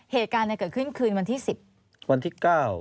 เหตุการณ์ขึ้นคืนนี้วันที่๑๐